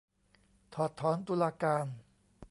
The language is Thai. ถอดถอนตุลาการ ?